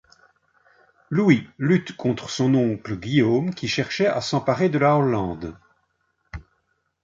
Louis lutte contre son oncle Guillaume qui cherchait à s'emparer de la Hollande.